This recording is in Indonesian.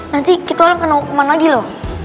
nanti kita orang kena hukuman lagi lho